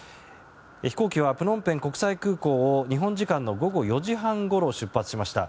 飛行機はプノンペン国際空港を日本時間の午後４時半ごろ出発しました。